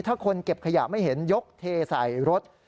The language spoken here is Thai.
ถ้าคนเก็บขยะไม่เห็นยกเทใส่รถ